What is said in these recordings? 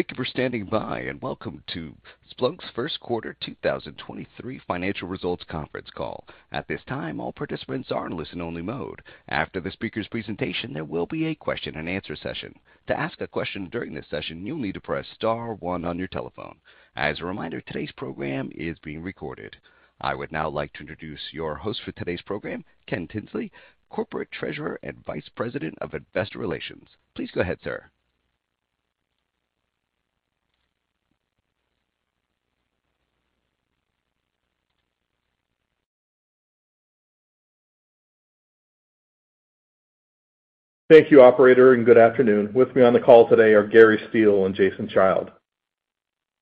Thank you for standing by and welcome to Splunk's First Quarter 2023 Financial Results Conference Call. At this time, all participants are in listen only mode. After the speaker's presentation, there will be a question and answer session. To ask a question during this session, you'll need to press Star one on your telephone. As a reminder, today's program is being recorded. I would now like to introduce your host for today's program, Ken Tinsley, Corporate Treasurer and Vice President of Investor Relations. Please go ahead, sir. Thank you, operator, and good afternoon. With me on the call today are Gary Steele and Jason Child.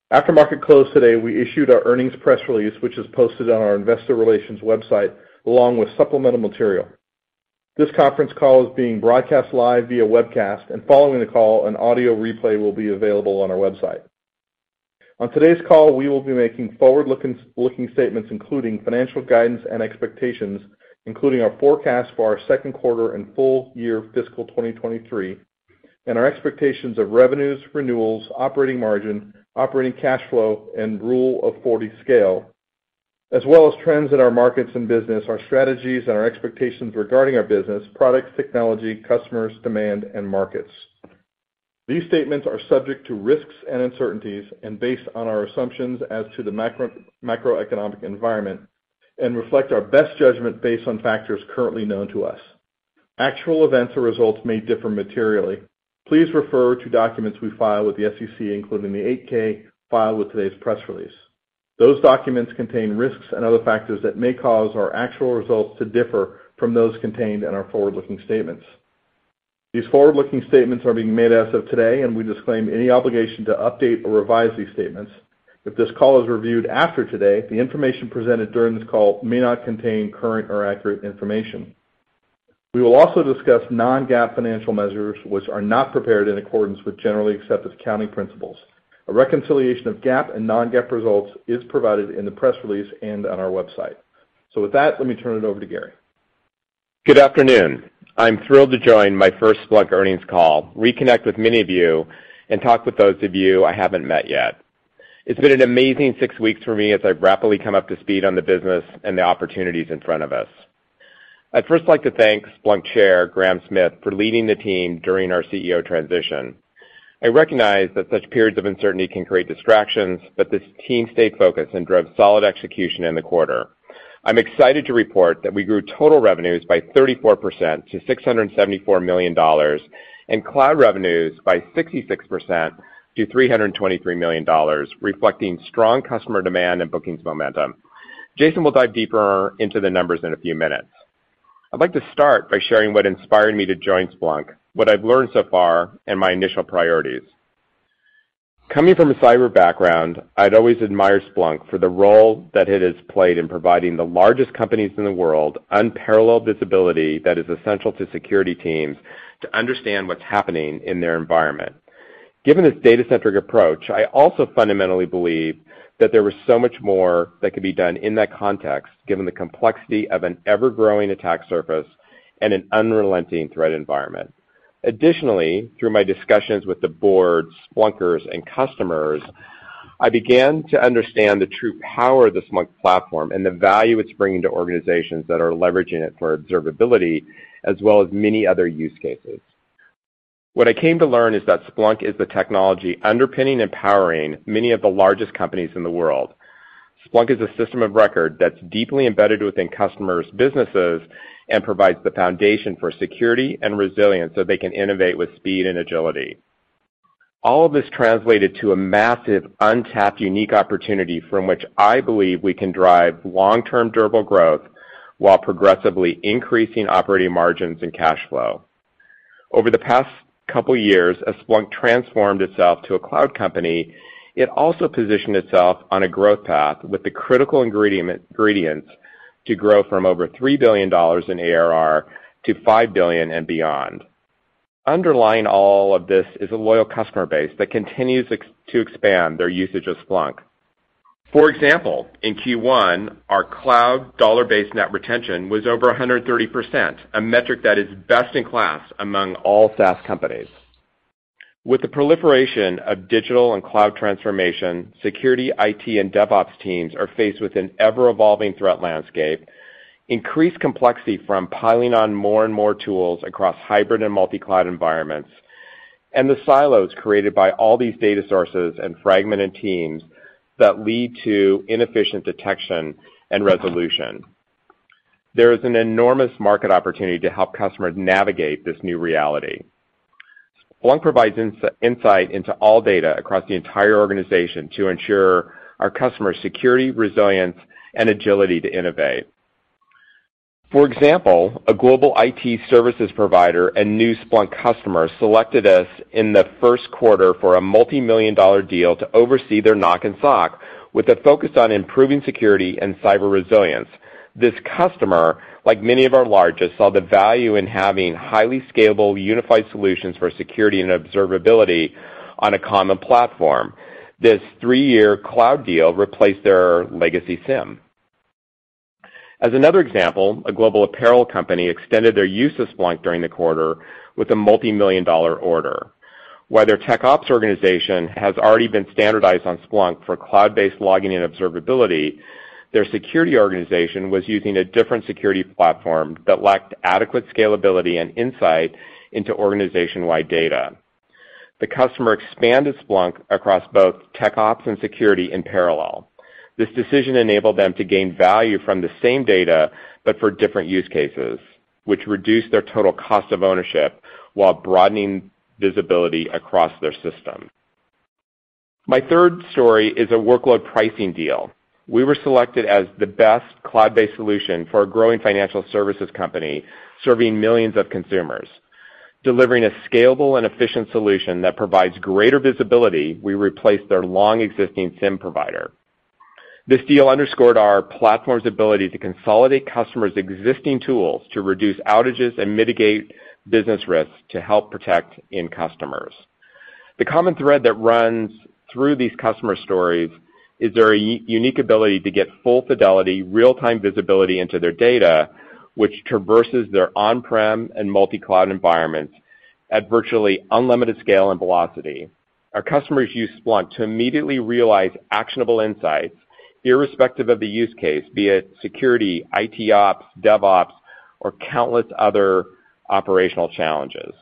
After market close today, we issued our earnings press release, which is posted on our investor relations website, along with supplemental material. This conference call is being broadcast live via webcast, and following the call, an audio replay will be available on our website. On today's call, we will be making forward-looking statements including financial guidance and expectations, including our forecast for our second quarter and full year fiscal 2023, and our expectations of revenues, renewals, operating margin, operating cash flow, and rule of 40 scale, as well as trends in our markets and business, our strategies and our expectations regarding our business, products, technology, customers, demand, and markets. These statements are subject to risks and uncertainties and based on our assumptions as to the macroeconomic environment and reflect our best judgment based on factors currently known to us. Actual events or results may differ materially. Please refer to documents we file with the SEC, including the 8-K filing with today's press release. Those documents contain risks and other factors that may cause our actual results to differ from those contained in our forward-looking statements. These forward-looking statements are being made as of today, and we disclaim any obligation to update or revise these statements. If this call is reviewed after today, the information presented during this call may not contain current or accurate information. We will also discuss non-GAAP financial measures which are not prepared in accordance with generally accepted accounting principles. A reconciliation of GAAP and non-GAAP results is provided in the press release and on our website. With that, let me turn it over to Gary. Good afternoon. I'm thrilled to join my first Splunk earnings call, reconnect with many of you, and talk with those of you I haven't met yet. It's been an amazing six weeks for me as I've rapidly come up to speed on the business and the opportunities in front of us. I'd first like to thank Splunk Chair Graham Smith for leading the team during our CEO transition. I recognize that such periods of uncertainty can create distractions, but this team stayed focused and drove solid execution in the quarter. I'm excited to report that we grew total revenues by 34% to $674 million and cloud revenues by 66% to $323 million, reflecting strong customer demand and bookings momentum. Jason will dive deeper into the numbers in a few minutes. I'd like to start by sharing what inspired me to join Splunk, what I've learned so far, and my initial priorities. Coming from a cyber background, I'd always admired Splunk for the role that it has played in providing the largest companies in the world unparalleled visibility that is essential to security teams to understand what's happening in their environment. Given this data-centric approach, I also fundamentally believe that there was so much more that could be done in that context, given the complexity of an ever-growing attack surface and an unrelenting threat environment. Additionally, through my discussions with the board, Splunkers and customers, I began to understand the true power of the Splunk platform and the value it's bringing to organizations that are leveraging it for observability as well as many other use cases. What I came to learn is that Splunk is the technology underpinning and powering many of the largest companies in the world. Splunk is a system of record that's deeply embedded within customers' businesses and provides the foundation for security and resilience so they can innovate with speed and agility. All of this translated to a massive, untapped, unique opportunity from which I believe we can drive long-term durable growth while progressively increasing operating margins and cash flow. Over the past couple years, as Splunk transformed itself to a cloud company, it also positioned itself on a growth path with the critical ingredients to grow from over $3 billion in ARR to $5 billion and beyond. Underlying all of this is a loyal customer base that continues to expand their usage of Splunk. For example, in Q1, our cloud dollar-based net retention was over 130%, a metric that is best in class among all SaaS companies. With the proliferation of digital and cloud transformation, security, IT, and DevOps teams are faced with an ever-evolving threat landscape, increased complexity from piling on more and more tools across hybrid and multi-cloud environments, and the silos created by all these data sources and fragmented teams that lead to inefficient detection and resolution. There is an enormous market opportunity to help customers navigate this new reality. Splunk provides insight into all data across the entire organization to ensure our customers' security, resilience, and agility to innovate. For example, a global IT services provider and new Splunk customer selected us in the first quarter for a $multi-million deal to oversee their NOC and SOC with a focus on improving security and cyber resilience. This customer, like many of our largest, saw the value in having highly scalable unified solutions for security and observability on a common platform. This three-year cloud deal replaced their legacy SIEM. As another example, a global apparel company extended their use of Splunk during the quarter with a $multi-million order. While their tech ops organization has already been standardized on Splunk for cloud-based logging and observability, their security organization was using a different security platform that lacked adequate scalability and insight into organization-wide data. The customer expanded Splunk across both tech ops and security in parallel. This decision enabled them to gain value from the same data, but for different use cases, which reduced their total cost of ownership while broadening visibility across their system. My third story is a workload pricing deal. We were selected as the best cloud-based solution for a growing financial services company serving millions of consumers. Delivering a scalable and efficient solution that provides greater visibility, we replaced their long existing SIEM provider. This deal underscored our platform's ability to consolidate customers' existing tools to reduce outages and mitigate business risks to help protect end customers. The common thread that runs through these customer stories is their unique ability to get full fidelity, real-time visibility into their data, which traverses their on-prem and multi-cloud environments at virtually unlimited scale and velocity. Our customers use Splunk to immediately realize actionable insights irrespective of the use case, be it security, IT ops, DevOps, or countless other operational challenges.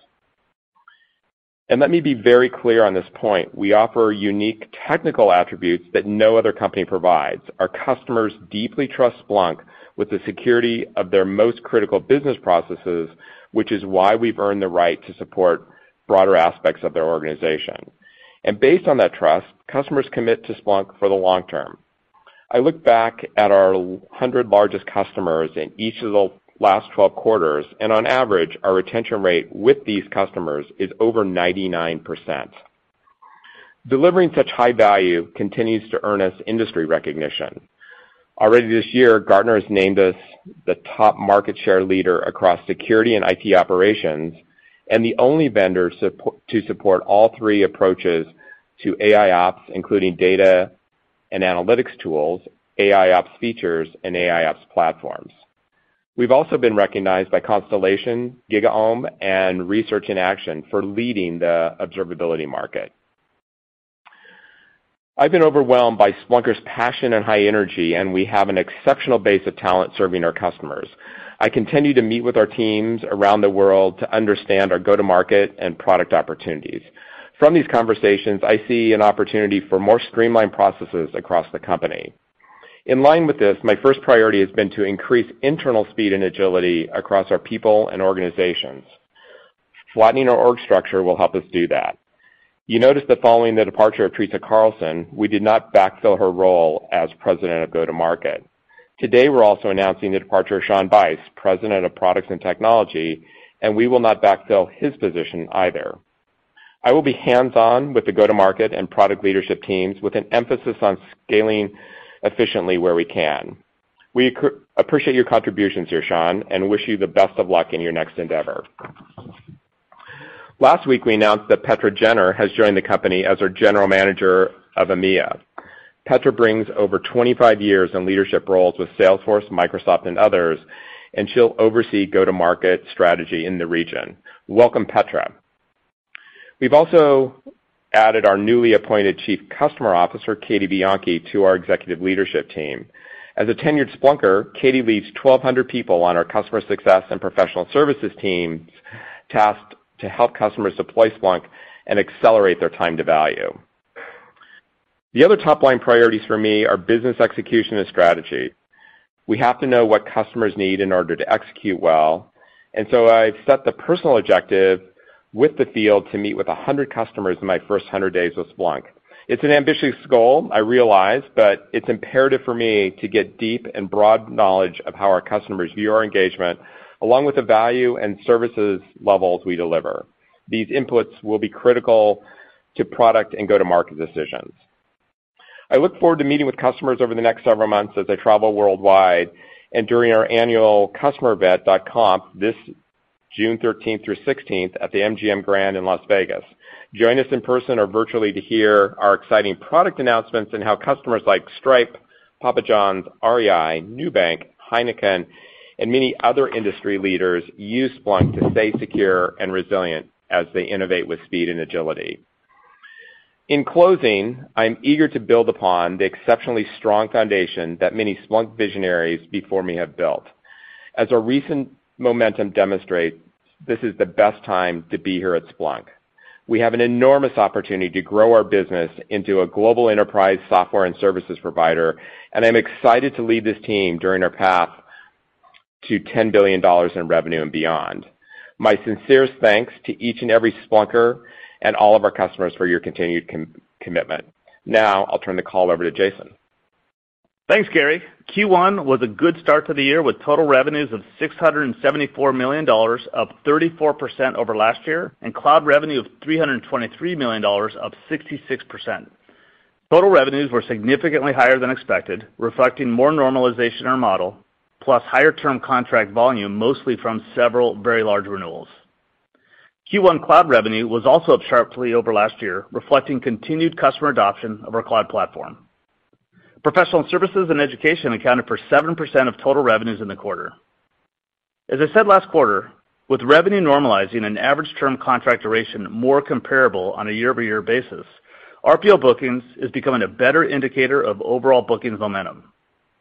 Let me be very clear on this point, we offer unique technical attributes that no other company provides. Our customers deeply trust Splunk with the security of their most critical business processes, which is why we've earned the right to support broader aspects of their organization. Based on that trust, customers commit to Splunk for the long term. I look back at our 100 largest customers in each of the last 12 quarters, and on average, our retention rate with these customers is over 99%. Delivering such high value continues to earn us industry recognition. Already this year, Gartner has named us the top market share leader across security and IT operations, and the only vendor to support all three approaches to AIOps, including data and analytics tools, AIOps features, and AIOps platforms. We've also been recognized by Constellation, GigaOm, and Research in Action for leading the observability market. I've been overwhelmed by Splunkers' passion and high energy, and we have an exceptional base of talent serving our customers. I continue to meet with our teams around the world to understand our go-to-market and product opportunities. From these conversations, I see an opportunity for more streamlined processes across the company. In line with this, my first priority has been to increase internal speed and agility across our people and organizations. Flattening our org structure will help us do that. You notice that following the departure of Teresa Carlson, we did not backfill her role as president of go-to-market. Today, we're also announcing the departure of Shawn Bice, President of Products and Technology, and we will not backfill his position either. I will be hands-on with the go-to-market and product leadership teams with an emphasis on scaling efficiently where we can. We appreciate your contributions here, Sean, and wish you the best of luck in your next endeavor. Last week, we announced that Petra Jenner has joined the company as our General Manager of EMEA. Petra brings over 25 years in leadership roles with Salesforce, Microsoft, and others, and she'll oversee go-to-market strategy in the region. Welcome, Petra. We've also added our newly appointed Chief Customer Officer, Katie Bianchi, to our executive leadership team. As a tenured Splunker, Katie leads 1,200 people on our customer success and professional services teams tasked to help customers deploy Splunk and accelerate their time to value. The other top-line priorities for me are business execution and strategy. We have to know what customers need in order to execute well. I've set the personal objective with the field to meet with 100 customers in my first 100 days with Splunk. It's an ambitious goal, I realize, but it's imperative for me to get deep and broad knowledge of how our customers view our engagement, along with the value and services levels we deliver. These inputs will be critical to product and go-to-market decisions. I look forward to meeting with customers over the next several months as I travel worldwide and during our annual customer event, .conf, this June 13 through 16 at the MGM Grand in Las Vegas. Join us in person or virtually to hear our exciting product announcements and how customers like Stripe, Papa Johns, REI, Nubank, Heineken, and many other industry leaders use Splunk to stay secure and resilient as they innovate with speed and agility. In closing, I'm eager to build upon the exceptionally strong foundation that many Splunk visionaries before me have built. As our recent momentum demonstrates, this is the best time to be here at Splunk. We have an enormous opportunity to grow our business into a global enterprise software and services provider, and I'm excited to lead this team during our path to $10 billion in revenue and beyond. My sincerest thanks to each and every Splunker and all of our customers for your continued commitment. Now, I'll turn the call over to Jason. Thanks, Gary. Q1 was a good start to the year with total revenues of $674 million, up 34% over last year, and cloud revenue of $323 million, up 66%. Total revenues were significantly higher than expected, reflecting more normalization in our model, plus higher term contract volume, mostly from several very large renewals. Q1 cloud revenue was also up sharply over last year, reflecting continued customer adoption of our cloud platform. Professional services and education accounted for 7% of total revenues in the quarter. As I said last quarter, with revenue normalizing and average term contract duration more comparable on a year-over-year basis, RPO bookings is becoming a better indicator of overall bookings momentum.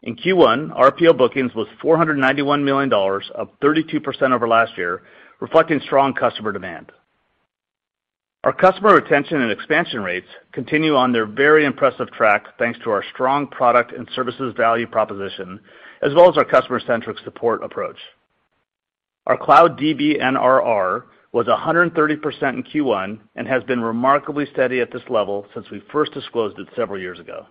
In Q1, RPO bookings was $491 million, up 32% over last year, reflecting strong customer demand. Our customer retention and expansion rates continue on their very impressive track, thanks to our strong product and services value proposition, as well as our customer-centric support approach. Our cloud DBNRR was 130% in Q1 and has been remarkably steady at this level since we first disclosed it several years ago.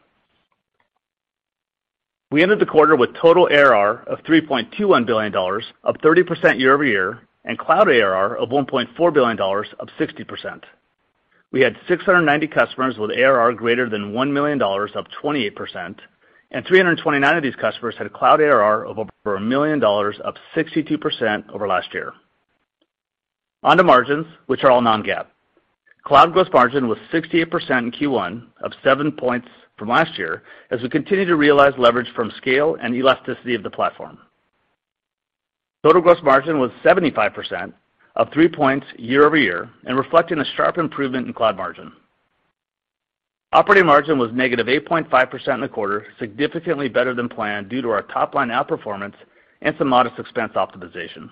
We ended the quarter with total ARR of $3.21 billion, up 30% year over year, and cloud ARR of $1.4 billion, up 60%. We had 690 customers with ARR greater than $1 million, up 28%, and 329 of these customers had cloud ARR of over $1 million, up 62% over last year. On to margins, which are all non-GAAP. Cloud gross margin was 68% in Q1, up seven points from last year as we continue to realize leverage from scale and elasticity of the platform. Total gross margin was 75%, up three points year-over-year, and reflecting a sharp improvement in cloud margin. Operating margin was -8.5% in the quarter, significantly better than planned due to our top-line outperformance and some modest expense optimization.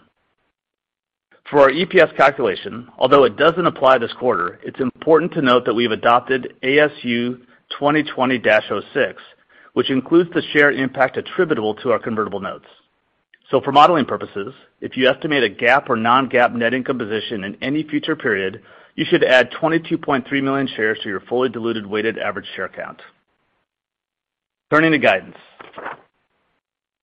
For our EPS calculation, although it doesn't apply this quarter, it's important to note that we have adopted ASU 2020-06, which includes the share impact attributable to our convertible notes. For modeling purposes, if you estimate a GAAP or non-GAAP net income position in any future period, you should add 22.3 million shares to your fully diluted weighted average share count. Turning to guidance.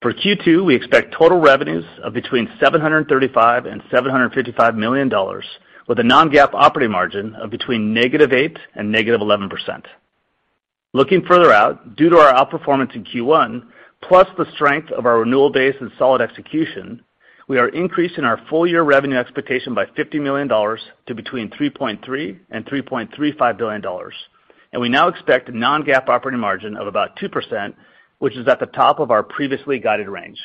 For Q2, we expect total revenues of between $735 million and $755 million with a non-GAAP operating margin of between -8% and -11%. Looking further out, due to our outperformance in Q1, plus the strength of our renewal base and solid execution, we are increasing our full-year revenue expectation by $50 million to between $3.3 billion and $3.35 billion. We now expect a non-GAAP operating margin of about 2%, which is at the top of our previously guided range.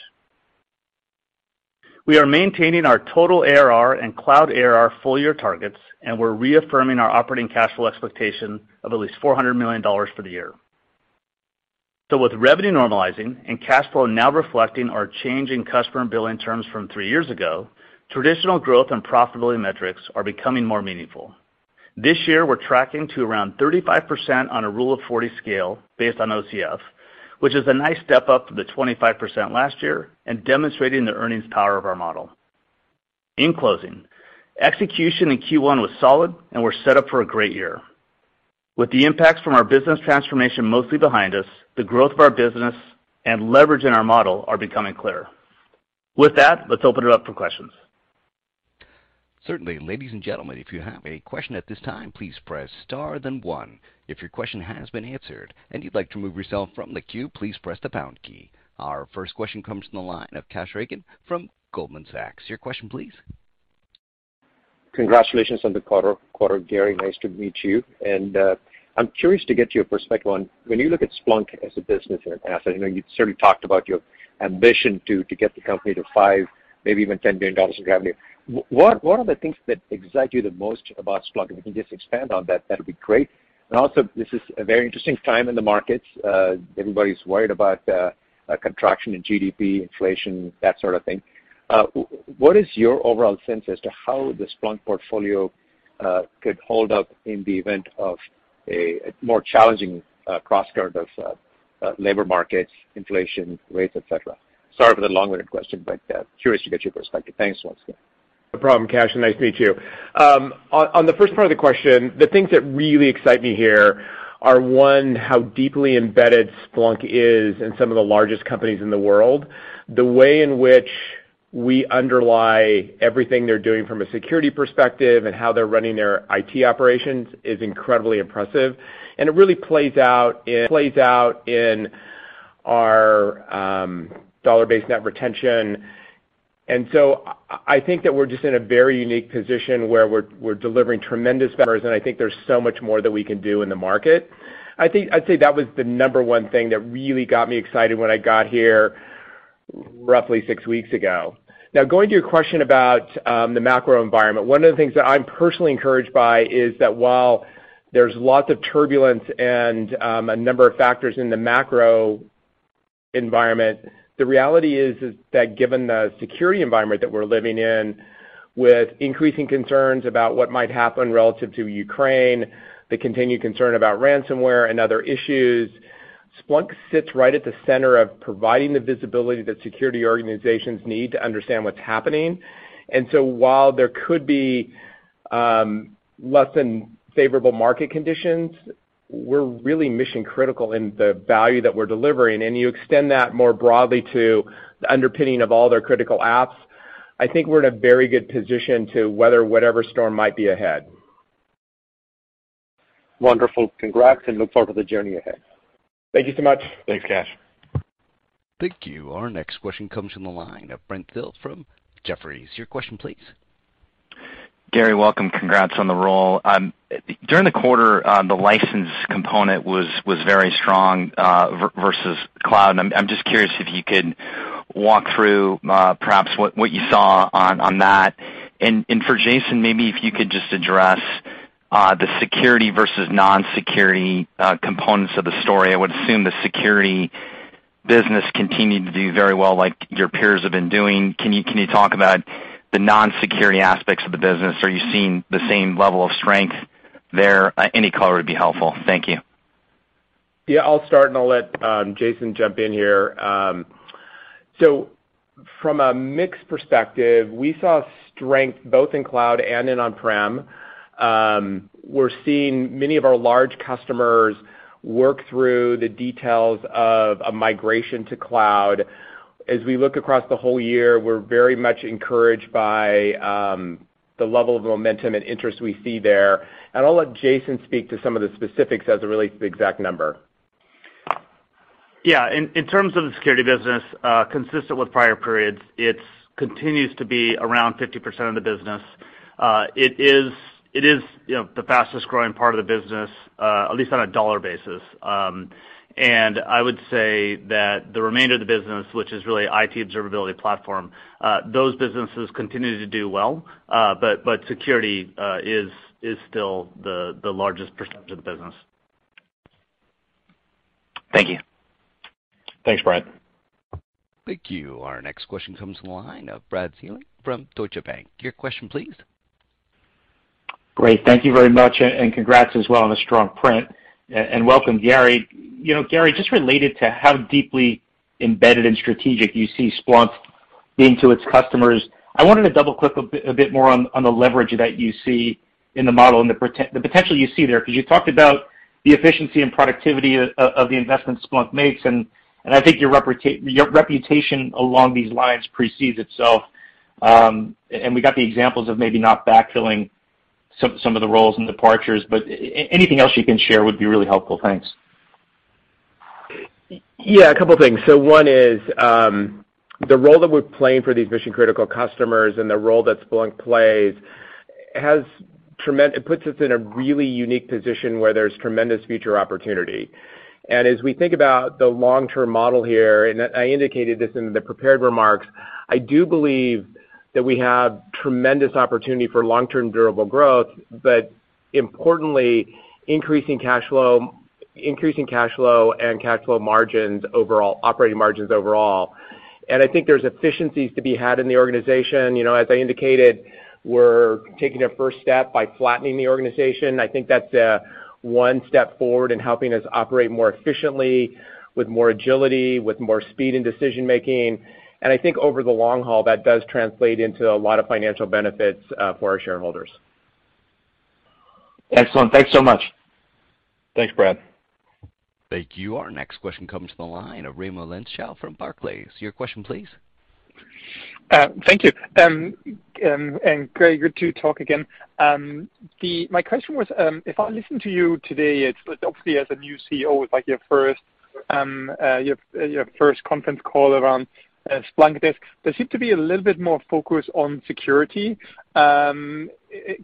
We are maintaining our total ARR and cloud ARR full-year targets, and we're reaffirming our operating cash flow expectation of at least $400 million for the year. With revenue normalizing and cash flow now reflecting our change in customer and billing terms from three years ago, traditional growth and profitability metrics are becoming more meaningful. This year, we're tracking to around 35% on a Rule of 40 scale based on OCF, which is a nice step up from the 25% last year and demonstrating the earnings power of our model. In closing, execution in Q1 was solid, and we're set up for a great year. With the impacts from our business transformation mostly behind us, the growth of our business and leverage in our model are becoming clearer. With that, let's open it up for questions. Certainly. Ladies and gentlemen, if you have a question at this time, please press Star then one. If your question has been answered and you'd like to remove yourself from the queue, please press the pound key. Our first question comes from the line of Kash Rangan from Goldman Sachs. Your question, please. Congratulations on the quarter, Gary. Nice to meet you. I'm curious to get your perspective on when you look at Splunk as a business and an asset. I know you've certainly talked about your ambition to get the company to $5 billion, maybe even $10 billion in revenue. What are the things that excite you the most about Splunk? If you can just expand on that'd be great. Also, this is a very interesting time in the markets. Everybody's worried about a contraction in GDP, inflation, that sort of thing. What is your overall sense as to how the Splunk portfolio could hold up in the event of a more challenging crosscurrent of labor markets, inflation rates, et cetera? Sorry for the long-winded question, but curious to get your perspective. Thanks once again. No problem, Kash. Nice to meet you. On the first part of the question, the things that really excite me here are, one, how deeply embedded Splunk is in some of the largest companies in the world. The way in which we underlie everything they're doing from a security perspective and how they're running their IT operations is incredibly impressive, and it really plays out in our dollar-based net retention. I think that we're just in a very unique position where we're delivering tremendous value, and I think there's so much more that we can do in the market. I think I'd say that was the number one thing that really got me excited when I got here roughly six weeks ago. Now, going to your question about the macro environment, one of the things that I'm personally encouraged by is that while there's lots of turbulence and a number of factors in the macro environment, the reality is that given the security environment that we're living in with increasing concerns about what might happen relative to Ukraine, the continued concern about ransomware and other issues, Splunk sits right at the center of providing the visibility that security organizations need to understand what's happening. While there could be less than favorable market conditions, we're really mission critical in the value that we're delivering. You extend that more broadly to the underpinning of all their critical apps. I think we're in a very good position to weather whatever storm might be ahead. Wonderful. Congrats, and look forward to the journey ahead. Thank you so much. Thanks, Kash. Thank you. Our next question comes from the line of Brent Thill from Jefferies. Your question please. Gary, welcome. Congrats on the role. During the quarter, the license component was very strong versus cloud. I'm just curious if you could walk through perhaps what you saw on that. For Jason, maybe if you could just address the security versus non-security components of the story. I would assume the security business continued to do very well like your peers have been doing. Can you talk about the non-security aspects of the business? Are you seeing the same level of strength there? Any color would be helpful. Thank you. Yeah, I'll start, and I'll let Jason jump in here. From a mix perspective, we saw strength both in cloud and in on-prem. We're seeing many of our large customers work through the details of a migration to cloud. As we look across the whole year, we're very much encouraged by the level of momentum and interest we see there. I'll let Jason speak to some of the specifics as it relates to the exact number. Yeah. In terms of the security business, consistent with prior periods, it continues to be around 50% of the business. It is, you know, the fastest growing part of the business, at least on a dollar basis. I would say that the remainder of the business, which is really IT observability platform, those businesses continue to do well. Security is still the largest percentage of the business. Thank you. Thanks, Brent. Thank you. Our next question comes from the line of Brad Zelnick from Deutsche Bank. Your question please. Great. Thank you very much, and congrats as well on the strong print. Welcome, Gary. You know, Gary, just related to how deeply embedded and strategic you see Splunk being to its customers, I wanted to double-click a bit more on the leverage that you see in the model and the potential you see there. Because you talked about the efficiency and productivity of the investment Splunk makes, and I think your reputation along these lines precedes itself. We got the examples of maybe not backfilling some of the roles and departures, but anything else you can share would be really helpful. Thanks. Yeah, a couple things. One is the role that we're playing for these mission-critical customers and the role that Splunk plays. It puts us in a really unique position where there's tremendous future opportunity. As we think about the long-term model here, and I indicated this in the prepared remarks, I do believe that we have tremendous opportunity for long-term durable growth, but importantly, increasing cash flow and cash flow margins overall, operating margins overall. I think there's efficiencies to be had in the organization. You know, as I indicated, we're taking a first step by flattening the organization. I think that's one step forward in helping us operate more efficiently with more agility, with more speed in decision-making. I think over the long haul, that does translate into a lot of financial benefits for our shareholders. Excellent. Thanks so much. Thanks, Brad. Thank you. Our next question comes from the line of Raimo Lenschow from Barclays. Your question please. Thank you. Gary, good to talk again. My question was, if I listen to you today, it's obviously as a new CEO, it's like your first conference call around Splunk's. There seems to be a little bit more focus on security. Can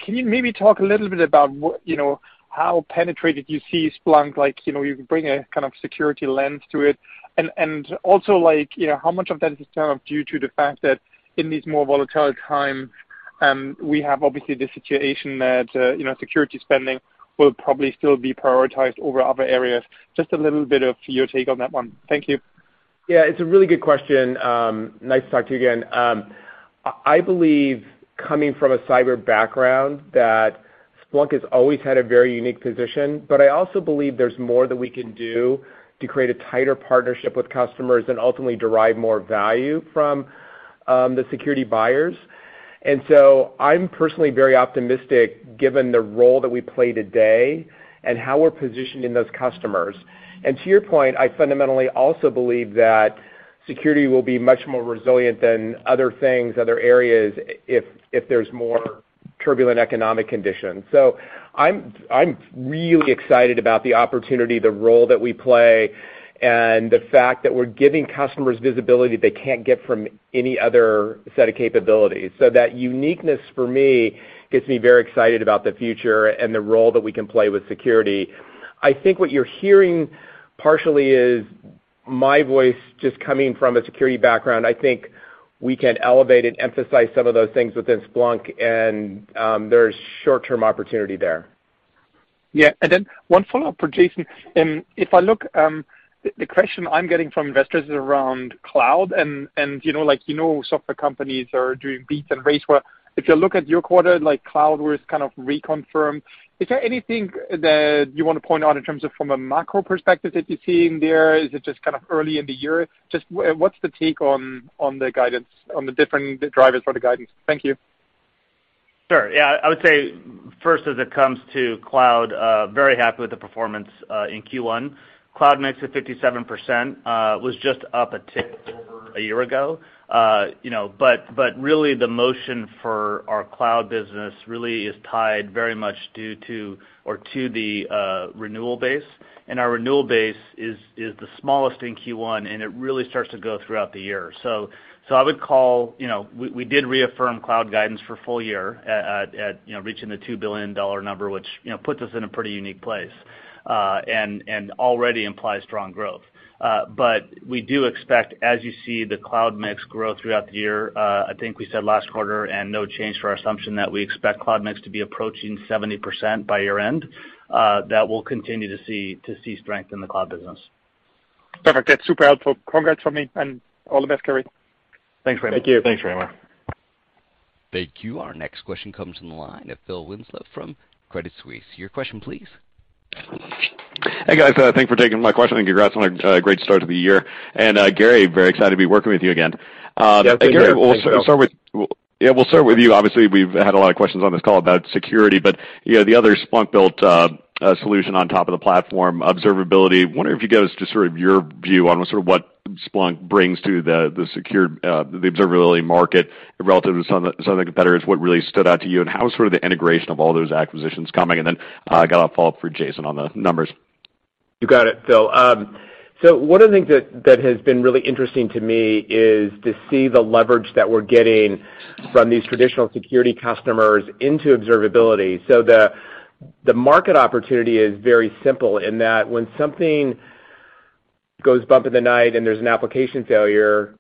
you maybe talk a little bit about what, you know, how penetrated you see Splunk, like, you know, you can bring a kind of security lens to it? And also like, you know, how much of that is, kind of, due to the fact that in these more volatile times, we have obviously the situation that, you know, security spending will probably still be prioritized over other areas. Just a little bit of your take on that one. Thank you. Yeah, it's a really good question. Nice to talk to you again. I believe coming from a cyber background that Splunk has always had a very unique position, but I also believe there's more that we can do to create a tighter partnership with customers and ultimately derive more value from the security buyers. I'm personally very optimistic given the role that we play today and how we're positioned in those customers. To your point, I fundamentally also believe that security will be much more resilient than other things, other areas if there's more turbulent economic conditions. I'm really excited about the opportunity, the role that we play, and the fact that we're giving customers visibility they can't get from any other set of capabilities. That uniqueness for me gets me very excited about the future and the role that we can play with security. I think what you're hearing partially is my voice just coming from a security background. I think we can elevate and emphasize some of those things within Splunk, and there's short-term opportunity there. Yeah. Then one follow-up for Jason. If I look, the question I'm getting from investors is around cloud and, you know, like, you know, software companies are doing beats and raises. Well, if you look at your quarter, like cloud was kind of reconfirmed. Is there anything that you want to point out in terms of from a macro perspective that you're seeing there? Is it just kind of early in the year? Just what's the take on the guidance, on the different drivers for the guidance? Thank you. Sure. Yeah, I would say first as it comes to cloud, very happy with the performance in Q1. Cloud mix at 57%, was just up a tick over a year ago. You know, but really the motion for our cloud business really is tied very much due to the renewal base, and our renewal base is the smallest in Q1, and it really starts to go throughout the year. I would call, you know, we did reaffirm cloud guidance for full year at you know, reaching the $2 billion number, which, you know, puts us in a pretty unique place, and already implies strong growth. We do expect, as you see the cloud mix grow throughout the year, I think we said last quarter and no change for our assumption that we expect cloud mix to be approaching 70% by year-end. We'll continue to see strength in the cloud business. Perfect. That's super helpful. Congrats from me and all the best, Gary. Thanks, Raimo. Thank you. Thanks, Raimo. Thank you. Our next question comes from the line of Phil Winslow from Credit Suisse. Your question please. Hey, guys. Thanks for taking my question and congrats on a great start to the year. Gary, very excited to be working with you again. Yeah, Phil. Thanks. Gary, we'll start with you. Obviously, we've had a lot of questions on this call about security, but, you know, the other Splunk built solution on top of the platform, Observability. Wondering if you could give us just sort of your view on what Splunk brings to the secure Observability market relative to some of the competitors, what really stood out to you, and how sort of the integration of all those acquisitions coming. Got a follow-up for Jason on the numbers. You got it, Phil. One of the things that has been really interesting to me is to see the leverage that we're getting from these traditional security customers into Observability. The market opportunity is very simple in that when something goes bump in the night and there's an application failure,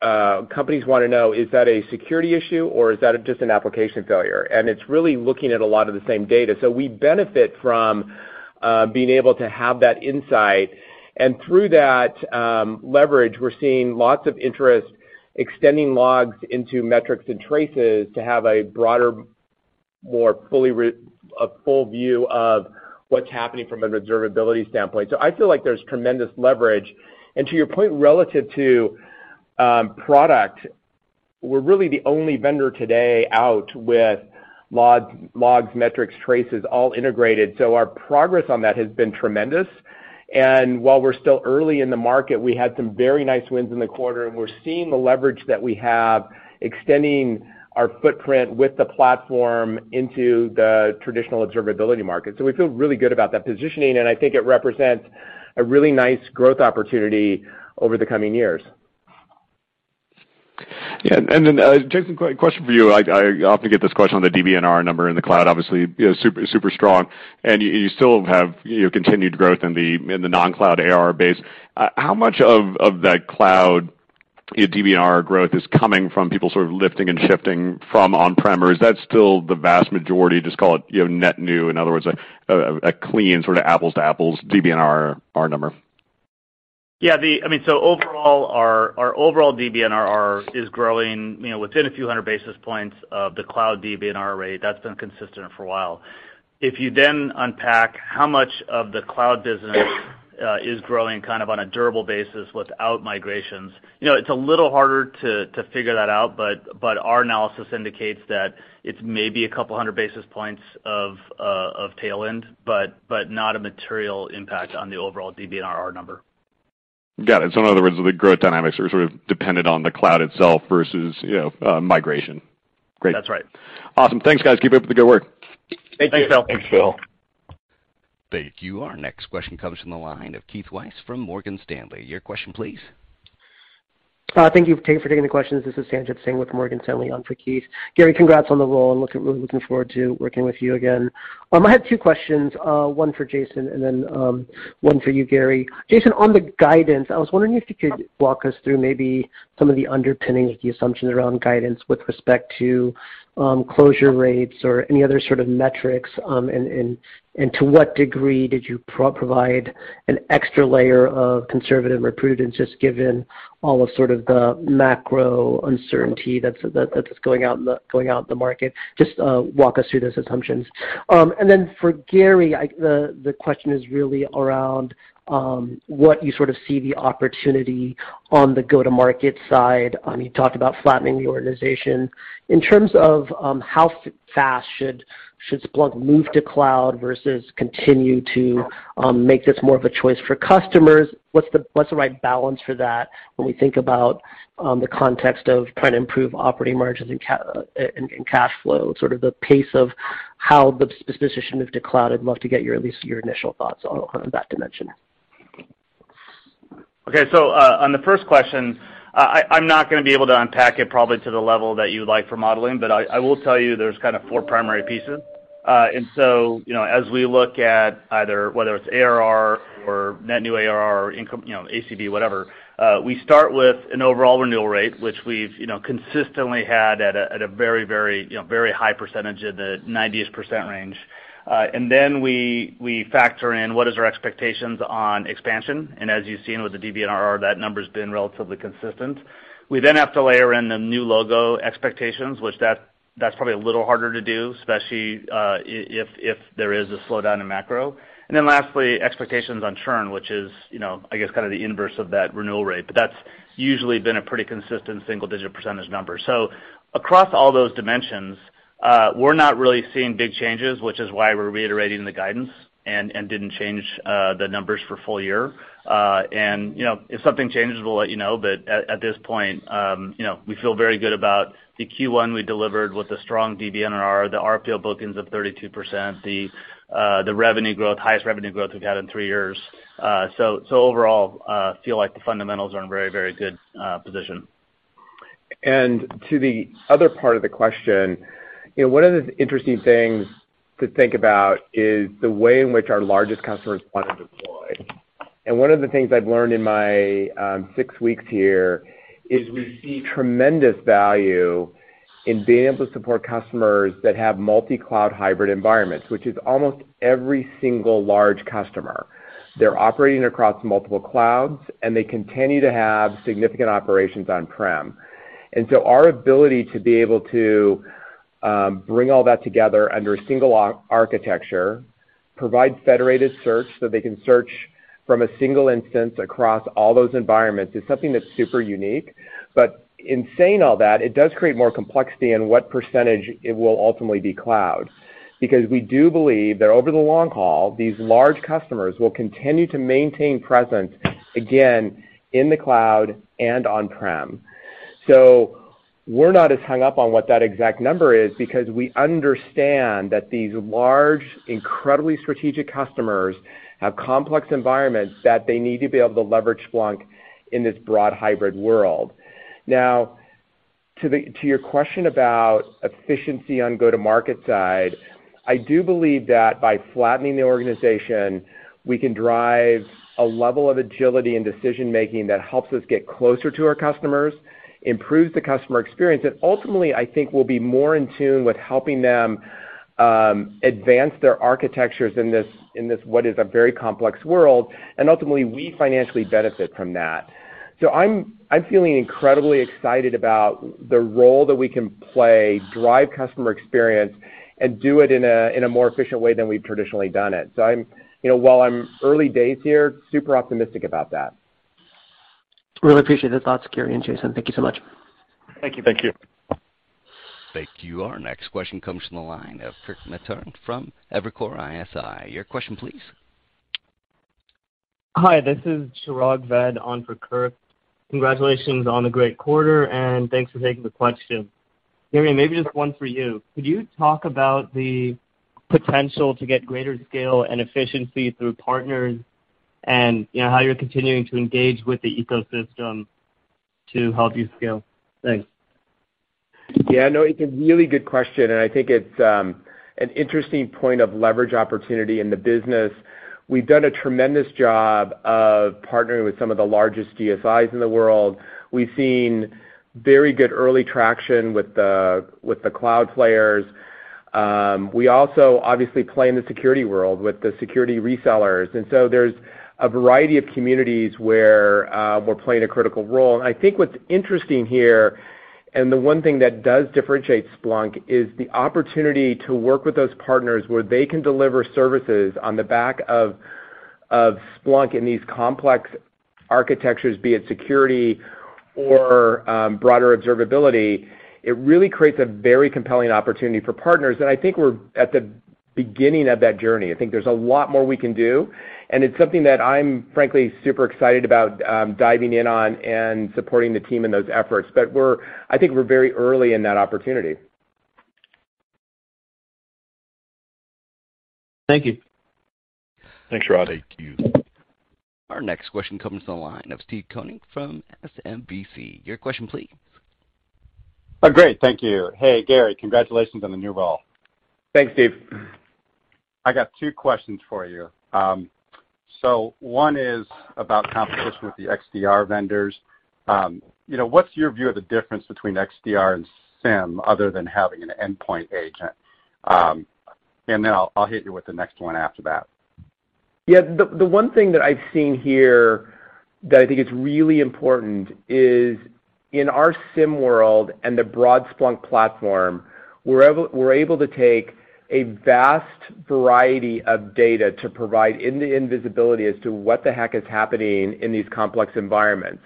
companies wanna know, is that a security issue or is that just an application failure? It's really looking at a lot of the same data. We benefit from being able to have that insight. Through that leverage, we're seeing lots of interest extending logs into metrics and traces to have a broader, a full view of what's happening from an Observability standpoint. I feel like there's tremendous leverage. To your point, relative to product, we're really the only vendor today out with logs, metrics, traces all integrated. Our progress on that has been tremendous. While we're still early in the market, we had some very nice wins in the quarter, and we're seeing the leverage that we have extending our footprint with the platform into the traditional observability market. We feel really good about that positioning, and I think it represents a really nice growth opportunity over the coming years. Yeah. Jason, question for you. I often get this question on the DBNRR number in the cloud, obviously, super strong, and you still have continued growth in the non-cloud ARR base. How much of that cloud DBNRR growth is coming from people sort of lifting and shifting from on-premise? Is that still the vast majority, just call it net new, in other words, a clean sort of apples to apples DBNRR number? Yeah. I mean, so overall, our overall DBNRR is growing, you know, within a few hundred basis points of the cloud DBNRR rate. That's been consistent for a while. If you then unpack how much of the cloud business is growing kind of on a durable basis without migrations, you know, it's a little harder to figure that out, but our analysis indicates that it's maybe a couple hundred basis points of tailwind, but not a material impact on the overall DBNRR number. Got it. In other words, the growth dynamics are sort of dependent on the cloud itself versus, you know, migration. Great. That's right. Awesome. Thanks, guys. Keep up the good work. Thank you. Thanks, Phil. Thank you. Our next question comes from the line of Keith Weiss from Morgan Stanley. Your question please. Thank you for taking the questions. This is Sanjit Singh with Morgan Stanley on for Keith. Gary, congrats on the role. I'm really looking forward to working with you again. I have two questions, one for Jason and then one for you, Gary. Jason, on the guidance, I was wondering if you could walk us through maybe some of the underpinnings of the assumptions around guidance with respect to closure rates or any other sort of metrics, and to what degree did you provide an extra layer of conservatism or prudence, just given all of sort of the macro uncertainty that's going on in the market. Walk us through those assumptions. For Gary, the question is really around what you sort of see the opportunity on the go-to-market side. You talked about flattening the organization. In terms of how fast should Splunk move to cloud versus continue to make this more of a choice for customers, what's the right balance for that when we think about the context of trying to improve operating margins and cash flow, sort of the pace of how this transition to cloud? I'd love to get your at least your initial thoughts on that dimension. Okay. On the first question, I'm not gonna be able to unpack it probably to the level that you'd like for modeling, but I will tell you there's kind of 4 primary pieces. You know, as we look at either whether it's ARR or net new ARR or income, you know, ACV, whatever, we start with an overall renewal rate, which we've, you know, consistently had at a very high percentage in the 90% range. We factor in what is our expectations on expansion. As you've seen with the DBNRR, that number's been relatively consistent. We then have to layer in the new logo expectations, which that's probably a little harder to do, especially if there is a slowdown in macro. Then lastly, expectations on churn, which is, you know, I guess kind of the inverse of that renewal rate. That's usually been a pretty consistent single-digit percentage number. Across all those dimensions, we're not really seeing big changes, which is why we're reiterating the guidance and didn't change the numbers for full year. You know, if something changes, we'll let you know. At this point, you know, we feel very good about the Q1 we delivered with a strong DBNRR, the RPO bookings of 32%, the revenue growth, highest revenue growth we've had in three years. Overall, feel like the fundamentals are in very, very good position. To the other part of the question, you know, one of the interesting things to think about is the way in which our largest customers want to deploy. One of the things I've learned in my six weeks here is we see tremendous value in being able to support customers that have multi-cloud hybrid environments, which is almost every single large customer. They're operating across multiple clouds, and they continue to have significant operations on-prem. Our ability to be able to bring all that together under a single architecture, provide federated search so they can search from a single instance across all those environments, is something that's super unique. But in saying all that, it does create more complexity in what percentage it will ultimately be cloud. Because we do believe that over the long haul, these large customers will continue to maintain presence, again, in the cloud and on-prem. We're not as hung up on what that exact number is because we understand that these large, incredibly strategic customers have complex environments that they need to be able to leverage Splunk in this broad hybrid world. Now, to your question about efficiency on go-to-market side, I do believe that by flattening the organization, we can drive a level of agility and decision-making that helps us get closer to our customers, improves the customer experience, and ultimately, I think we'll be more in tune with helping them advance their architectures in this what is a very complex world, and ultimately we financially benefit from that. I'm feeling incredibly excited about the role that we can play, drive customer experience, and do it in a more efficient way than we've traditionally done it. I'm, you know, while I'm early days here, super optimistic about that. Really appreciate the thoughts, Gary and Jason. Thank you so much. Thank you. Thank you. Thank you. Our next question comes from the line of Kirk Materne from Evercore ISI. Your question please. Hi, this is Chirag Ved on for Kirk. Congratulations on a great quarter, and thanks for taking the question. Gary, maybe just one for you. Could you talk about the potential to get greater scale and efficiency through partners and, you know, how you're continuing to engage with the ecosystem to help you scale? Thanks. Yeah, no, it's a really good question, and I think it's an interesting point of leverage opportunity in the business. We've done a tremendous job of partnering with some of the largest GSIs in the world. We've seen very good early traction with the cloud players. We also obviously play in the security world with the security resellers, and so there's a variety of communities where we're playing a critical role. I think what's interesting here, and the one thing that does differentiate Splunk, is the opportunity to work with those partners where they can deliver services on the back of Splunk in these complex architectures, be it security or broader observability. It really creates a very compelling opportunity for partners, and I think we're at the beginning of that journey. I think there's a lot more we can do, and it's something that I'm frankly super excited about, diving in on and supporting the team in those efforts. I think we're very early in that opportunity. Thank you. Thanks, Chirag. Thank you. Our next question comes from the line of Steve Koenig from SMBC. Your question please. Oh, great. Thank you. Hey, Gary, congratulations on the new role. Thanks, Steve. I got two questions for you. One is about competition with the XDR vendors. You know, what's your view of the difference between XDR and SIEM other than having an endpoint agent? I'll hit you with the next one after that. Yeah. The one thing that I've seen here that I think is really important is in our SIEM world and the broad Splunk platform, we're able to take a vast variety of data to provide end-to-end visibility as to what the heck is happening in these complex environments.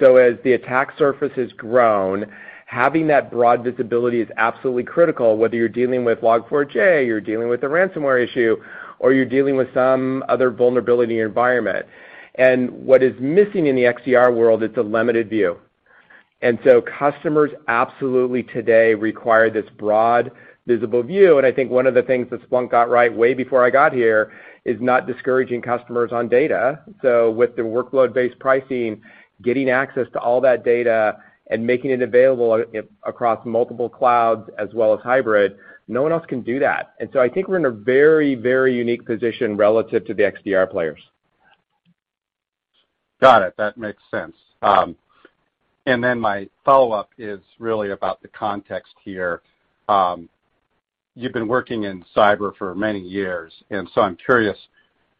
As the attack surface has grown, having that broad visibility is absolutely critical, whether you're dealing with Log4j, you're dealing with a ransomware issue, or you're dealing with some other vulnerability in your environment. What is missing in the XDR world, it's a limited view. Customers absolutely today require this broad visible view, and I think one of the things that Splunk got right way before I got here is not discouraging customers on data. With the workload-based pricing, getting access to all that data and making it available across multiple clouds as well as hybrid, no one else can do that. I think we're in a very, very unique position relative to the XDR players. Got it. That makes sense. My follow-up is really about the context here. You've been working in cyber for many years, and so I'm curious,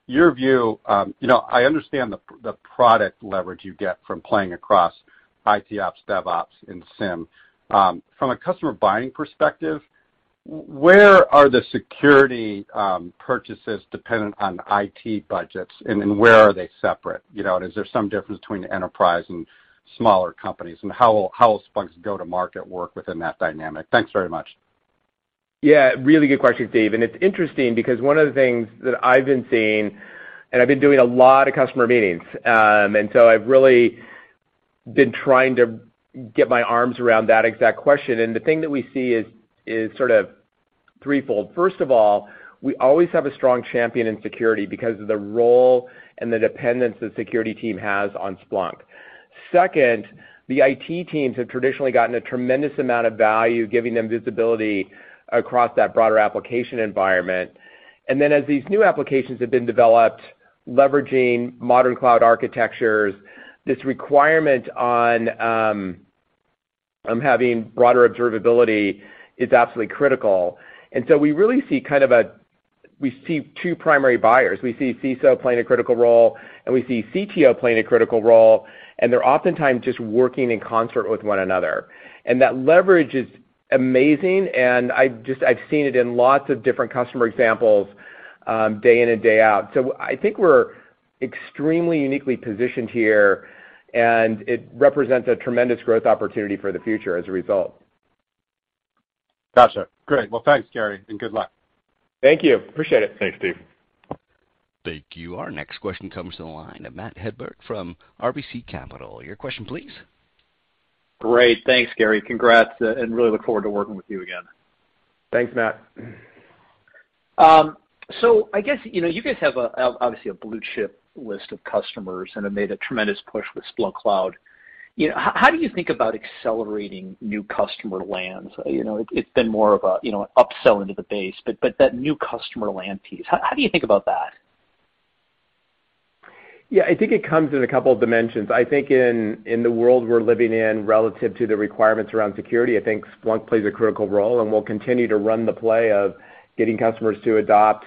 your view, you know, I understand the product leverage you get from playing across IT ops, DevOps in SIEM. From a customer buying perspective, where are the security purchases dependent on IT budgets, and then where are they separate? You know, is there some difference between enterprise and smaller companies? How will Splunk's go-to-market work within that dynamic? Thanks very much. Yeah, really good question, Steve. It's interesting because one of the things that I've been seeing, and I've been doing a lot of customer meetings, and so I've really been trying to get my arms around that exact question. The thing that we see is sort of threefold. First of all, we always have a strong champion in security because of the role and the dependence the security team has on Splunk. Second, the IT teams have traditionally gotten a tremendous amount of value giving them visibility across that broader application environment. Then as these new applications have been developed, leveraging modern cloud architectures, this requirement on having broader observability is absolutely critical. We really see two primary buyers. We see CISO playing a critical role, and we see CTO playing a critical role, and they're oftentimes just working in concert with one another. That leverage is amazing, and I've seen it in lots of different customer examples, day in and day out. I think we're extremely uniquely positioned here, and it represents a tremendous growth opportunity for the future as a result. Gotcha. Great. Well, thanks, Gary, and good luck. Thank you. Appreciate it. Thanks, Steve. Thank you. Our next question comes from the line of Matt Hedberg from RBC Capital Markets. Your question, please. Great. Thanks, Gary. Congrats, and really look forward to working with you again. Thanks, Matt. I guess, you know, you guys have obviously a blue chip list of customers and have made a tremendous push with Splunk Cloud. You know, how do you think about accelerating new customer lands? You know, it's been more of a, you know, an upsell into the base. That new customer land piece, how do you think about that? Yeah. I think it comes in a couple of dimensions. I think in the world we're living in relative to the requirements around security, I think Splunk plays a critical role, and we'll continue to run the play of getting customers to adopt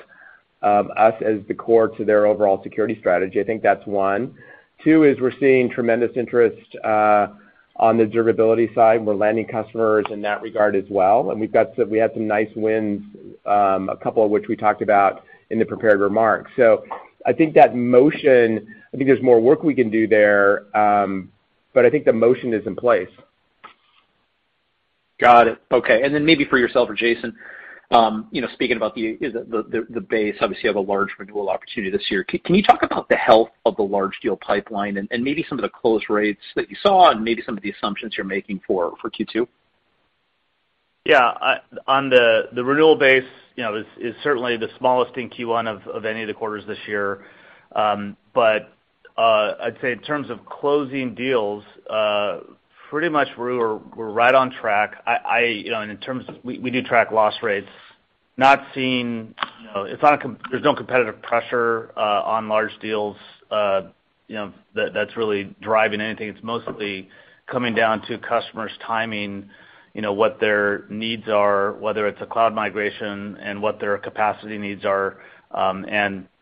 us as the core to their overall security strategy. I think that's one. Two is we're seeing tremendous interest on the observability side, and we're landing customers in that regard as well. We had some nice wins, a couple of which we talked about in the prepared remarks. I think that motion, I think there's more work we can do there, but I think the motion is in place. Got it. Okay. Then maybe for yourself or Jason, you know, speaking about the base, obviously, you have a large renewal opportunity this year. Can you talk about the health of the large deal pipeline and maybe some of the close rates that you saw and maybe some of the assumptions you're making for Q2? Yeah. On the renewal base, you know, is certainly the smallest in Q1 of any of the quarters this year. I'd say in terms of closing deals, pretty much we're right on track. I, you know, and in terms of we do track loss rates, not seeing, you know, there's no competitive pressure on large deals, you know, that's really driving anything. It's mostly coming down to customers timing, you know, what their needs are, whether it's a cloud migration and what their capacity needs are.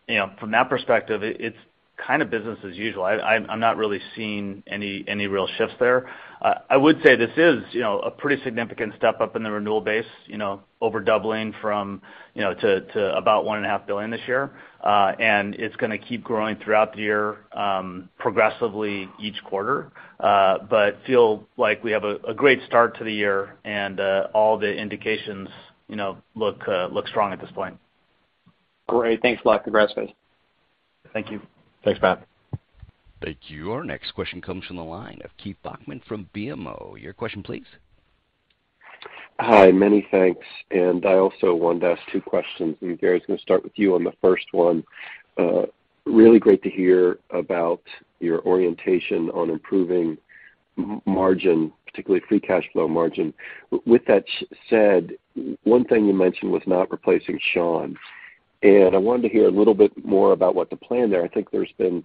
You know, from that perspective, it's kind of business as usual. I'm not really seeing any real shifts there. I would say this is, you know, a pretty significant step up in the renewal base, you know, over doubling from, you know, to about $1.5 billion this year. It's gonna keep growing throughout the year, progressively each quarter. Feel like we have a great start to the year and all the indications, you know, look strong at this point. Great. Thanks a lot. Congrats, guys. Thank you. Thanks, Matt. Thank you. Our next question comes from the line of Keith Bachman from BMO. Your question, please. Hi, many thanks. I also wanted to ask two questions. Gary, I was gonna start with you on the first one. Really great to hear about your orientation on improving margin, particularly free cash flow margin. With that said, one thing you mentioned was not replacing Sean, and I wanted to hear a little bit more about what the plan there. I think there's been,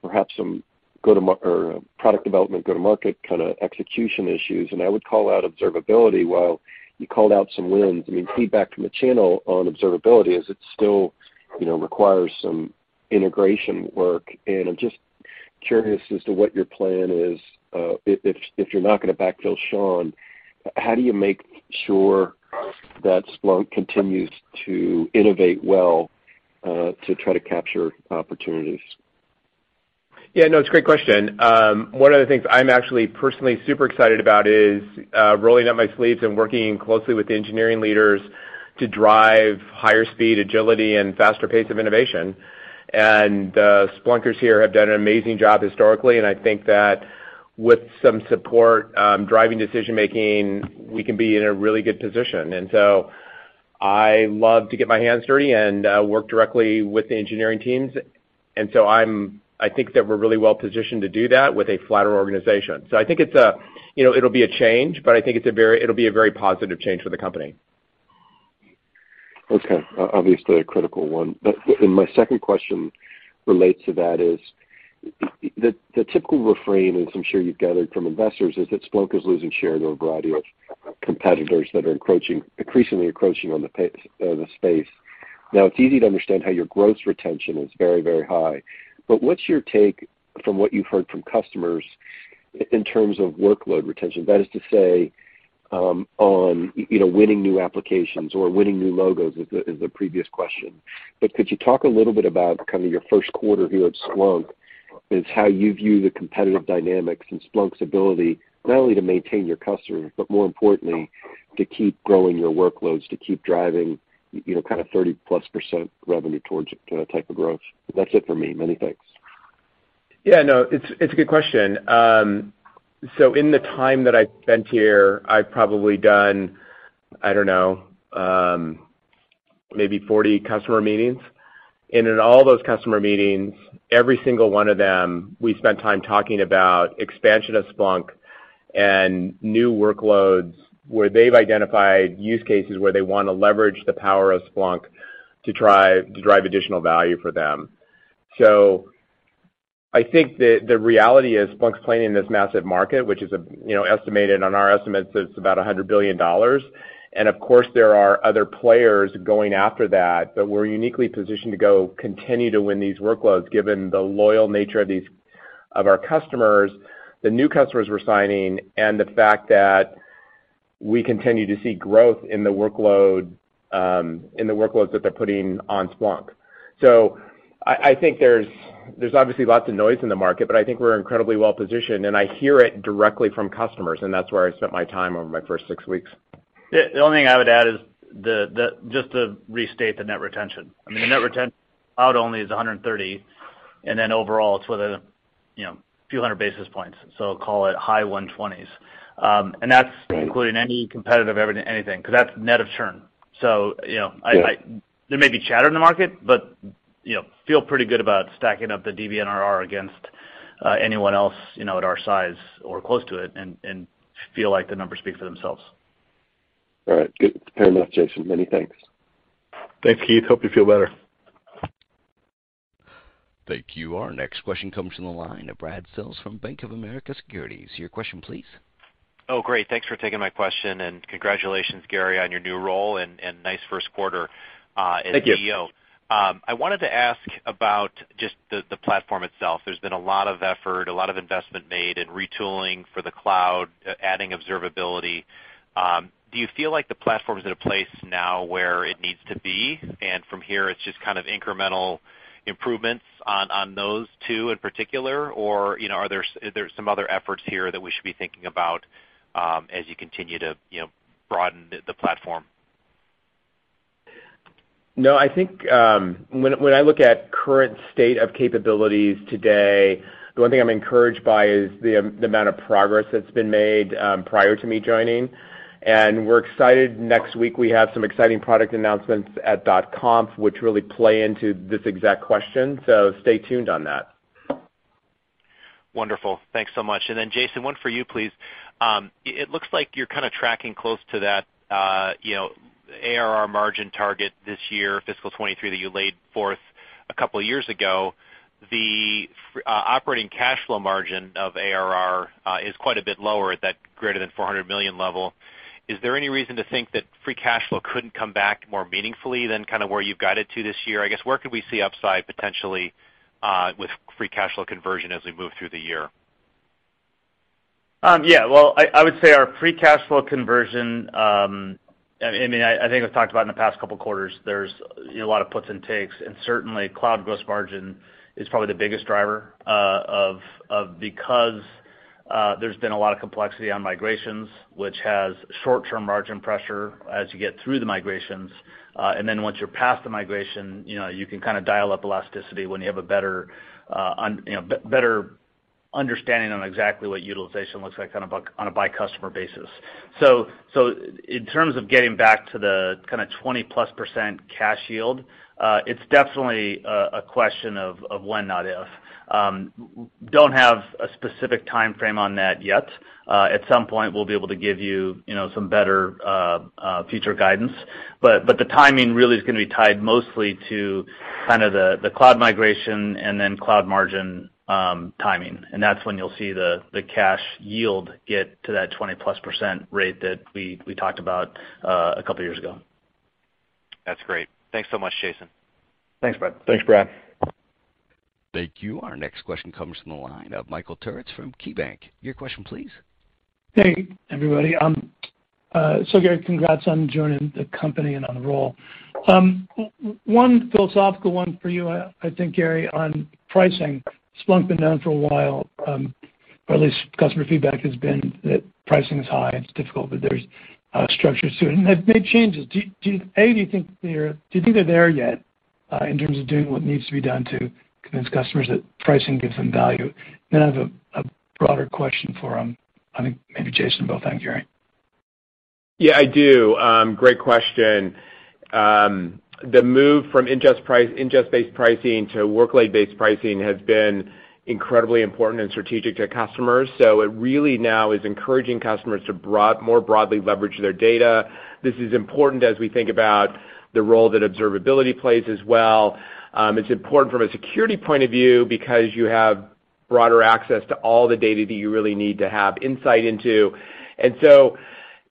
perhaps some go-to-market or product development go-to-market kind of execution issues, and I would call out observability while you called out some wins. I mean, feedback from the channel on observability is that it still, you know, requires some integration work. I'm just curious as to what your plan is, if you're not gonna backfill Sean, how do you make sure that Splunk continues to innovate well, to try to capture opportunities? Yeah, no, it's a great question. One of the things I'm actually personally super excited about is rolling up my sleeves and working closely with the engineering leaders to drive higher speed, agility, and faster pace of innovation. Splunkers here have done an amazing job historically, and I think that with some support, driving decision-making, we can be in a really good position. I love to get my hands dirty and work directly with the engineering teams. I think that we're really well positioned to do that with a flatter organization. I think it's a, you know, it'll be a change, but I think it'll be a very positive change for the company. Okay. Obviously a critical one. Then my second question relates to that is the typical refrain, as I'm sure you've gathered from investors, is that Splunk is losing share to a variety of competitors that are increasingly encroaching on the space. Now, it's easy to understand how your gross retention is very, very high, but what's your take from what you've heard from customers in terms of workload retention? That is to say, you know, winning new applications or winning new logos as the previous question. Could you talk a little bit about kind of your first quarter view of Splunk and how you view the competitive dynamics and Splunk's ability not only to maintain your customers, but more importantly, to keep growing your workloads, to keep driving, you know, kind of 30%+ revenue towards that type of growth? That's it for me. Many thanks. Yeah, no, it's a good question. So in the time that I've spent here, I've probably done, I don't know, maybe 40 customer meetings. In all those customer meetings, every single one of them, we spent time talking about expansion of Splunk and new workloads where they've identified use cases where they wanna leverage the power of Splunk to try to drive additional value for them. I think that the reality is Splunk's playing in this massive market, which is, you know, estimated on our estimates, it's about $100 billion. Of course, there are other players going after that. We're uniquely positioned to continue to win these workloads, given the loyal nature of these of our customers, the new customers we're signing, and the fact that we continue to see growth in the workloads that they're putting on Splunk. I think there's obviously lots of noise in the market, but I think we're incredibly well-positioned, and I hear it directly from customers, and that's where I spent my time over my first six weeks. The only thing I would add is just to restate the net retention. I mean, the net retention down only is 130%, and then overall it's within, you know, a few hundred basis points. Call it high 120s. And that's including any competitive or anything, 'cause that's net of churn. Yeah. There may be chatter in the market, but, you know, feel pretty good about stacking up the DBNRR against anyone else, you know, at our size or close to it and feel like the numbers speak for themselves. All right. Good. Fair enough, Jason. Many thanks. Thanks, Keith. Hope you feel better. Thank you. Our next question comes from the line of Brad Sills from Bank of America Securities. Your question, please. Oh, great. Thanks for taking my question, and congratulations, Gary, on your new role and nice first quarter as CEO. Thank you. I wanted to ask about just the platform itself. There's been a lot of effort, a lot of investment made in retooling for the cloud, adding observability. Do you feel like the platform is at a place now where it needs to be, and from here it's just kind of incremental improvements on those two in particular? Or, you know, is there some other efforts here that we should be thinking about as you continue to, you know, broaden the platform? No, I think, when I look at current state of capabilities today, the one thing I'm encouraged by is the amount of progress that's been made prior to me joining. We're excited. Next week, we have some exciting product announcements at .conf, which really play into this exact question. Stay tuned on that. Wonderful. Thanks so much. Jason, one for you, please. It looks like you're kind of tracking close to that, you know, ARR margin target this year, fiscal 2023, that you laid forth a couple years ago. The operating cash flow margin of ARR is quite a bit lower at that greater than $400 million level. Is there any reason to think that free cash flow couldn't come back more meaningfully than kind of where you've got it to this year? I guess, where could we see upside potentially, with free cash flow conversion as we move through the year? Well, I would say our free cash flow conversion. I mean, I think I've talked about in the past couple quarters. There's you know, a lot of puts and takes, and certainly cloud gross margin is probably the biggest driver of because there's been a lot of complexity on migrations, which has short-term margin pressure as you get through the migrations. And then once you're past the migration, you know, you can kind of dial up elasticity when you have a better you know, better understanding on exactly what utilization looks like on a by customer basis. So in terms of getting back to the kind of 20%+ cash yield, it's definitely a question of when, not if. We don't have a specific timeframe on that yet. At some point, we'll be able to give you know, some better future guidance. The timing really is gonna be tied mostly to kind of the cloud migration and then cloud margin timing, and that's when you'll see the cash yield get to that 20%+ rate that we talked about a couple years ago. That's great. Thanks so much, Jason. Thanks, Brad. Thanks, Brad. Thank you. Our next question comes from the line of Michael Turits from KeyBanc. Your question, please. Hey, everybody. So Gary, congrats on joining the company and on the role. One philosophical one for you, I think, Gary, on pricing. Splunk been down for a while, or at least customer feedback has been that pricing is high and it's difficult, but there's structures to it, and they've made changes. Do you think they're there yet in terms of doing what needs to be done to convince customers that pricing gives them value? Then I have a broader question for, I think maybe Jason, but I'll thank Gary. Yeah, I do. Great question. The move from ingest-based pricing to workload-based pricing has been incredibly important and strategic to customers. It really now is encouraging customers to more broadly leverage their data. This is important as we think about the role that observability plays as well. It's important from a security point of view because you have broader access to all the data that you really need to have insight into.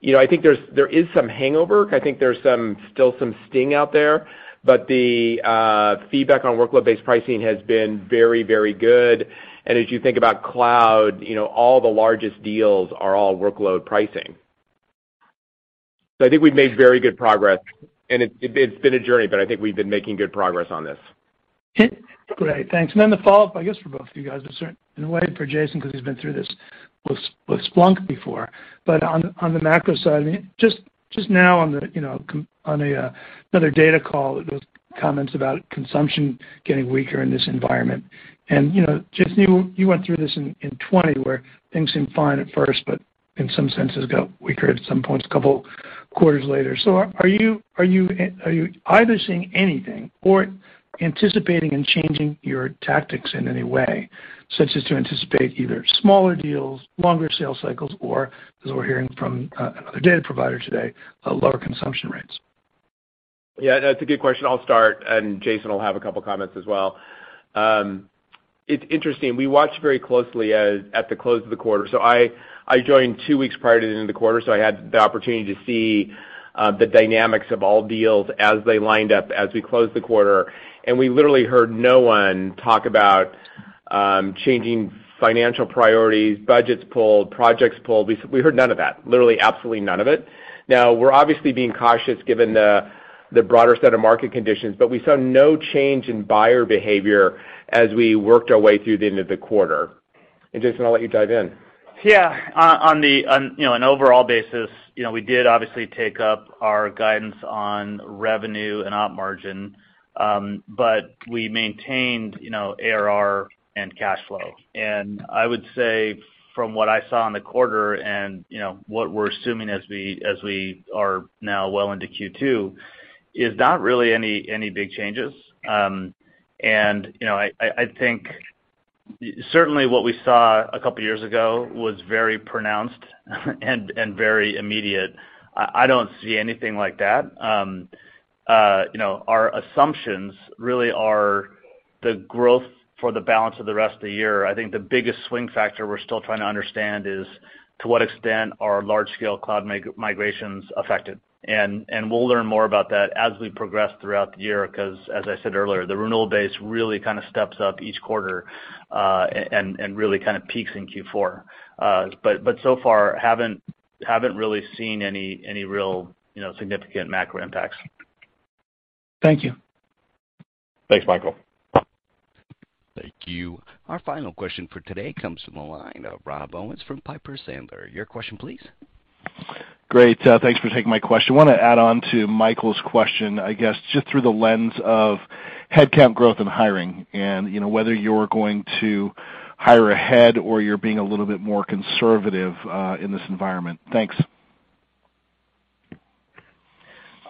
You know, I think there is some hangover. I think there's still some sting out there, but the feedback on workload-based pricing has been very, very good. As you think about cloud, you know, all the largest deals are all workload pricing. I think we've made very good progress and it's been a journey, but I think we've been making good progress on this. Great. Thanks. Then the follow-up, I guess, for both you guys, but in a way for Jason 'cause he's been through this with Splunk before. On the macro side, I mean, just now on the, you know, on another data call, those comments about consumption getting weaker in this environment. You know, Jason, you went through this in 2020, where things seemed fine at first, but in some senses got weaker at some points a couple quarters later. Are you either seeing anything or anticipating changing your tactics in any way, such as to anticipate either smaller deals, longer sales cycles, or as we're hearing from another data provider today, lower consumption rates? Yeah, that's a good question. I'll start, and Jason will have a couple comments as well. It's interesting. We watched very closely as at the close of the quarter. I joined two weeks prior to the end of the quarter, so I had the opportunity to see the dynamics of all deals as they lined up as we closed the quarter. We literally heard no one talk about changing financial priorities, budgets pulled, projects pulled. We heard none of that. Literally absolutely none of it. Now, we're obviously being cautious given the broader set of market conditions, but we saw no change in buyer behavior as we worked our way through the end of the quarter. Jason, I'll let you dive in. Yeah. On the, you know, an overall basis, you know, we did obviously take up our guidance on revenue and op margin, but we maintained, you know, ARR and cash flow. I would say from what I saw in the quarter and, you know, what we're assuming as we are now well into Q2 is not really any big changes. I think certainly what we saw a couple years ago was very pronounced and very immediate. I don't see anything like that. Our assumptions really are the growth for the balance of the rest of the year. I think the biggest swing factor we're still trying to understand is to what extent are large scale cloud migrations affected. We'll learn more about that as we progress throughout the year, 'cause as I said earlier, the renewal base really kind of steps up each quarter, really kind of peaks in Q4. So far haven't really seen any real, you know, significant macro impacts. Thank you. Thanks, Michael. Thank you. Our final question for today comes from the line of Rob Owens from Piper Sandler. Your question please. Great. Thanks for taking my question. Want to add on to Michael's question, I guess just through the lens of headcount growth and hiring and, you know, whether you're going to hire ahead or you're being a little bit more conservative, in this environment. Thanks.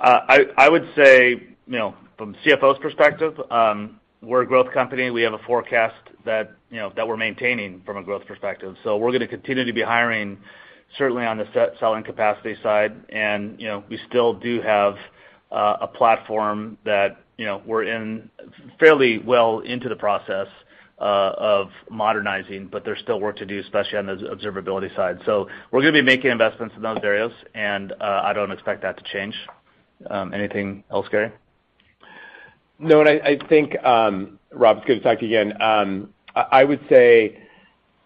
I would say, you know, from a CFO's perspective, we're a growth company. We have a forecast that, you know, that we're maintaining from a growth perspective. We're gonna continue to be hiring certainly on the sales capacity side. You know, we still do have a platform that, you know, we're fairly well into the process of modernizing, but there's still work to do, especially on the observability side. We're gonna be making investments in those areas, and I don't expect that to change. Anything else, Gary? No. I think, Rob, it's good to talk again. I would say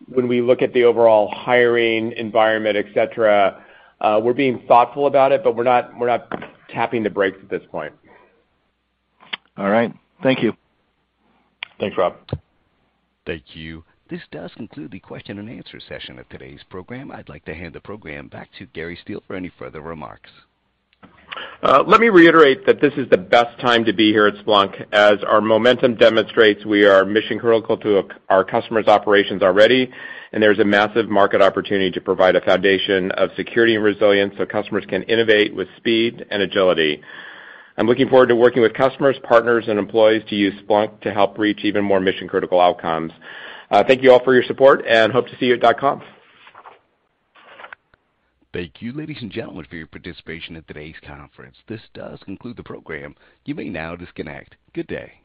when we look at the overall hiring environment, et cetera, we're being thoughtful about it, but we're not tapping the brakes at this point. All right. Thank you. Thanks, Rob. Thank you. This does conclude the question and answer session of today's program. I'd like to hand the program back to Gary Steele for any further remarks. Let me reiterate that this is the best time to be here at Splunk. As our momentum demonstrates, we are mission-critical to our customers' operations already, and there's a massive market opportunity to provide a foundation of security and resilience so customers can innovate with speed and agility. I'm looking forward to working with customers, partners, and employees to use Splunk to help reach even more mission-critical outcomes. Thank you all for your support and hope to see you at .conf. Thank you ladies and gentlemen for your participation in today's conference. This does conclude the program. You may now disconnect. Good day.